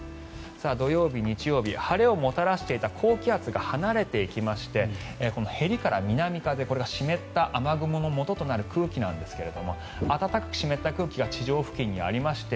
土曜日、日曜日晴れをもたらしていた高気圧が離れていきましてへりから南風これが湿った雨雲のもととなる空気ですが暖かく湿った空気が地上付近にありまして